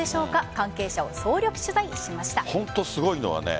関係者を総力取材しました。